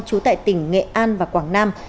trú tại tỉnh nghệ an và quảng nam